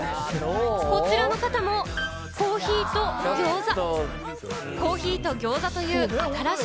こちらの方もコーヒーとぎょうざ。